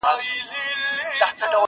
خو د عقل او د زور يې لاپي كړلې!.